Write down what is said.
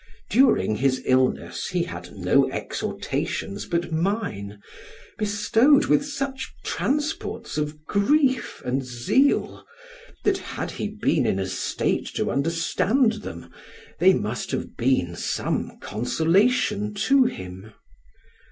During his illness he had no exhortations but mine, bestowed with such transports of grief and zeal, that had he been in a state to understand them, they must have been some consolation to him.